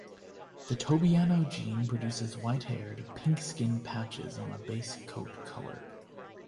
The tobiano gene produces white-haired, pink-skinned patches on a base coat color.